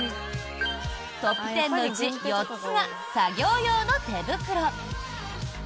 トップ１０のうち４つが作業用の手袋。